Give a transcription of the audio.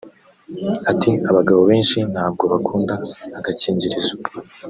Ati “Abagabo benshi ntabwo bakunda agakingirizo